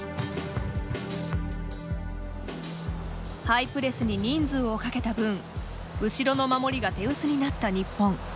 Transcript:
ハイプレスに人数をかけた分後ろの守りが手薄になった日本。